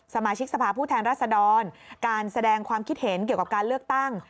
สมาชิกสภาพผู้แทนรัศดรการแสดงความคิดเห็นเกี่ยวกับการเลือกตั้ง